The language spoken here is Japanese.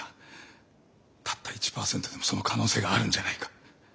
たった１％でもその可能性があるんじゃないか。